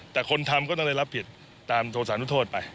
แต่คนทำก็ต้องได้รับผิดตามโทษานุโทษไป